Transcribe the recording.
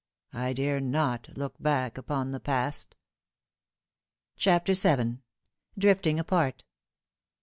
I dare not look back upon the past 1" CHAPTER VIL DRIFTING APAET.